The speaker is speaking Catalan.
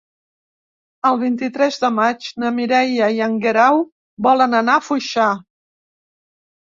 El vint-i-tres de maig na Mireia i en Guerau volen anar a Foixà.